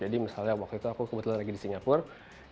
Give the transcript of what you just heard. jadi misalnya waktu itu aku kebetulan lagi di singapura